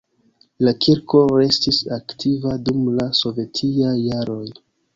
La kirko restis aktiva dum la sovetiaj jaroj.